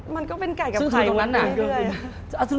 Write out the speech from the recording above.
มันก็เป็นไก่กับไข่นะแวะด้วย